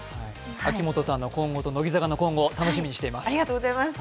秋元さんの今後と乃木坂の今後、楽しみにしています。